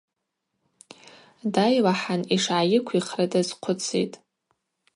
Дайлахӏан, йшгӏайыквихра дазхъвыцитӏ.